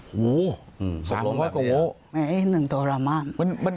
หูอันที่นี้หนึ่งตัวละมาหน